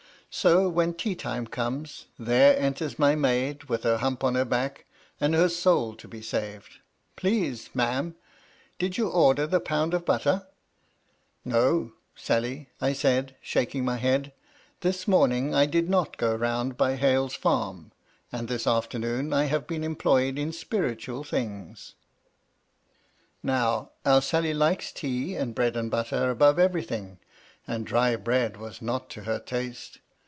So, when tea time comes, there enters my maid with her hump on her back, and her soul to be saved. ' Please, ma'am, did you order the pound of butter ?'—' No, Sally,' I said, shaking my head, ' this morning I did not go round by Hale's farm, and this afternoon I have been employed in spiritual thinga' "Now, our Sally likes tea and bread and butter above everything, and dry bread was not to her taste.